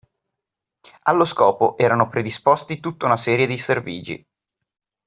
Allo scopo erano predisposti tutta una serie di servigi.